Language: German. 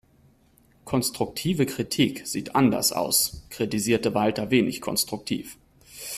"Konstruktive Kritik sieht anders aus", kritisierte Walter wenig konstruktiv.